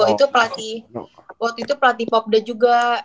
itu pelatih waktu itu pelatih popda juga